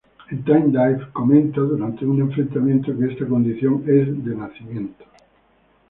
En "Time Dive" comenta, durante un enfrentamiento, que esta condición es de nacimiento.